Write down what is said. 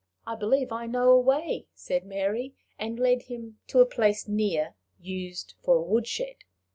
"I believe I know a way," said Mary, and led him to a place near, used for a wood shed.